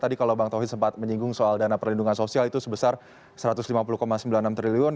tadi kalau bang tauhid sempat menyinggung soal dana perlindungan sosial itu sebesar rp satu ratus lima puluh sembilan puluh enam triliun